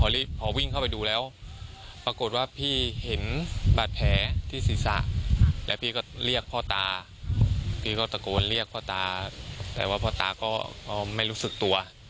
แต่ว่าพ่อตาก็ไม่รู้สึกตัว